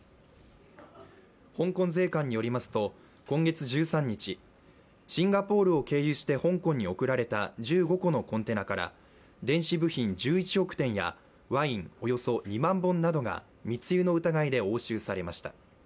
香港税関によりますと、今月１３日、シンガポールを経由して香港に送られた１５個のコンテナから電子部品１１億点やワインおよそ２万本などが密輸の疑いで押収されました。